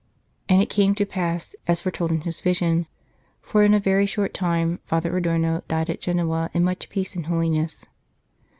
And it came to pass as foretold in his vision, for in a very short time Father Adorno died at Genoa in much peace and holiness.